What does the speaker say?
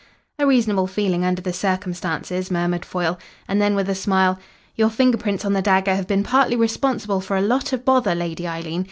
"A reasonable feeling, under the circumstances," murmured Foyle. And then, with a smile, "Your finger prints on the dagger have been partly responsible for a lot of bother, Lady Eileen.